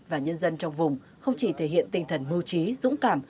và nhân dân trong vùng không chỉ thể hiện tinh thần mưu trí dũng cảm